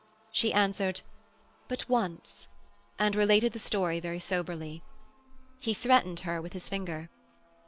She answered: 'But once,' and related the story very soberly. He threatened her with his finger.